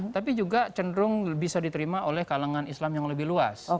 tapi juga cenderung bisa diterima oleh kalangan islam yang lebih luas